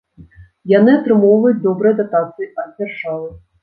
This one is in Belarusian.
Яны атрымоўваюць добрыя датацыі ад дзяржавы.